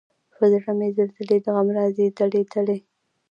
پۀ زړۀ مې زلزلې د غم راځي دلۍ، دلۍ